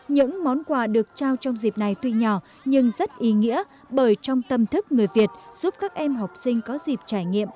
những món quà được trao trong dịp này tuy nhỏ nhưng rất ý nghĩa bởi trong tâm thức người việt giúp các em học sinh có dịp trải nghiệm